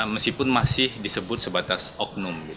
meskipun masih disebut sebatas oknum